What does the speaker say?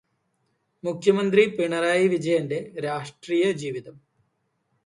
മുഖ്യമന്ത്രി പിണറായി വിജയന്റെ രാഷ്ട്രീയജീവിതം